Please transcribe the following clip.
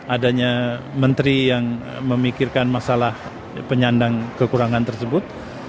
adanya menteri yang memikirkan masalah penyandang kekurangan tersebut